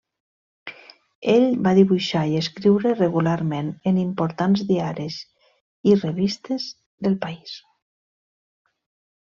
Ell va dibuixar i escriure regularment en importants diaris i revistes del país.